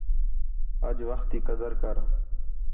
اَڄ وخت تی قدر کر